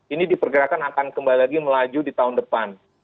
ini diperkirakan akan kembali lagi melaju di tahun depan